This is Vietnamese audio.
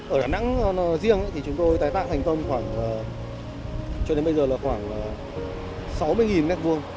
ở đà nẵng riêng thì chúng tôi tái tạo thành công khoảng cho đến bây giờ là khoảng sáu mươi m hai